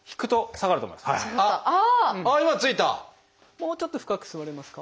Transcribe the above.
もうちょっと深く座れますか？